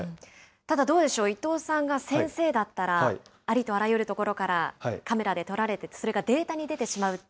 ただ、どうでしょう、伊藤さんが先生だったら、ありとあらゆるところからカメラで撮られて、それがデータに出てしまうって。